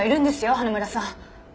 花村さん！